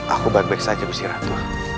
aku baik baik saja mesti ratu